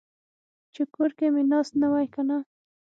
چې کور کې مې ناست نه وای کنه.